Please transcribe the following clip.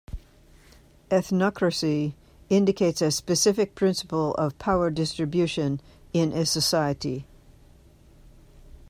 Ethnocracy indicates a specific principle of power-distribution in a society.